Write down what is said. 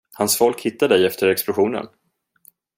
Hans folk hittade dig efter explosionen.